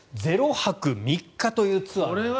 ０泊３日というツアー。